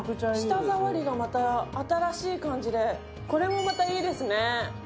舌触りがまた新しい感じで、これもまたいいですね。